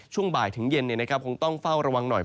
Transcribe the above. ช่วงบ่ายถึงเย็นคงต้องเฝ้าระวังหน่อย